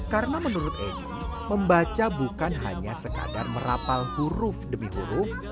karena menurut egy membaca bukan hanya sekadar merapal huruf demi huruf